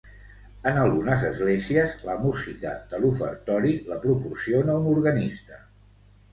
En algunes esglésies, la música de l'ofertori la proporciona un organista.